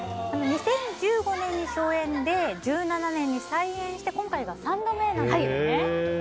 ２０１５年に初演で、１７年に再演して今回が３度目の公演なんですよね。